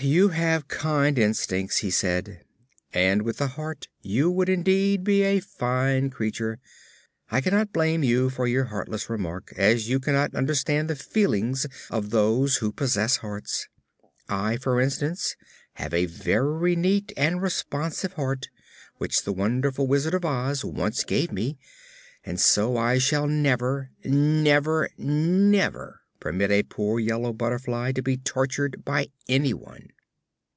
"You have kind instincts," he said, "and with a heart you would indeed be a fine creature. I cannot blame you for your heartless remark, as you cannot understand the feelings of those who possess hearts. I, for instance, have a very neat and responsive heart which the wonderful Wizard of Oz once gave me, and so I shall never never never permit a poor yellow butterfly to be tortured by anyone."